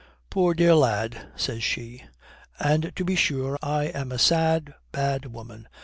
"'Poor, dear lad,' says she, 'and to be sure I am a sad, bad woman.